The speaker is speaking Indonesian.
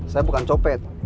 saya bukan copet